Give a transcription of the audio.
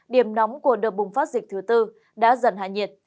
điểm nóng của đợt bùng phát dịch thứ tư đã dần hạ nhiệt